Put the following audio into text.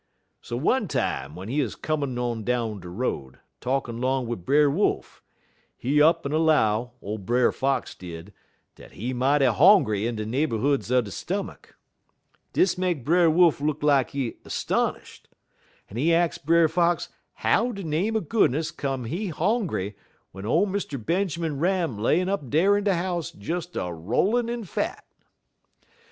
"So one time w'en he 'uz comin' on down de road, talkin' 'long wid Brer Wolf, he up'n 'low, ole Brer Fox did, dat he mighty hongry in de neighborhoods er de stomach. Dis make Brer Wolf look lak he 'stonish'd, en he ax Brer Fox how de name er goodness come he hongry w'en ole Mr. Benjermun Ram layin' up dar in de house des a rollin' in fat.